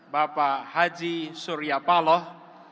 bapak haji surya paloh